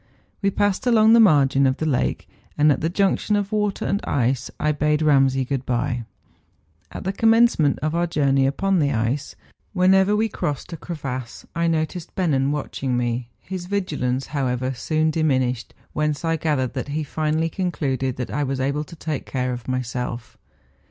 We passed along the margin of the lake, and at the junction of water and ice I bade Eamsay good bye. At the commencement of our journey upon the ice, whenever we crossed a cre¬ vasse, I noticed Bennen watching me; his vigilance, however, soon diminished, whence I gathered that he finally concluded that I was able to take care of myself.